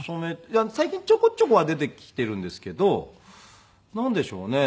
最近ちょこちょこは出てきているんですけどなんでしょうね。